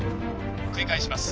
繰り返します